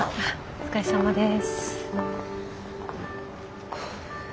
お疲れさまです。